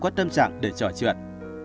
có tâm trạng để trò chuyện